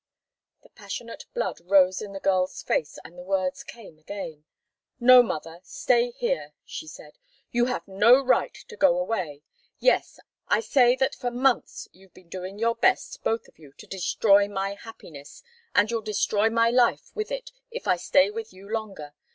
The passionate blood rose in the girl's face and the words came again. "No, mother stay here!" she said. "You have no right to go away. Yes I say that for months you've been doing your best, both of you, to destroy my happiness and you'll destroy my life with it, if I stay with you longer.